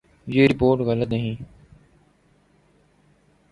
یہ رپورٹ غلط نہیں